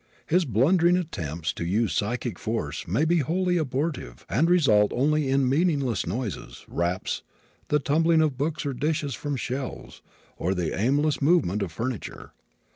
His blundering attempts to use psychic force may be wholly abortive and result only in meaningless noises, raps, the tumbling of books or dishes from shelves or the aimless movement of furniture.